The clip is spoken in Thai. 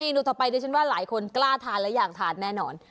นูต่อไปดิฉันว่าหลายคนกล้าทานและอยากทานแน่นอน